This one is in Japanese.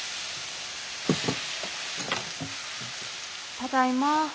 ただいま。